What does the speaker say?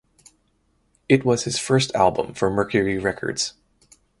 It was his first album for Mercury Records.